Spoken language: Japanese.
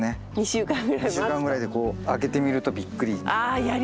２週間ぐらいでこう開けてみるとびっくりみたいな。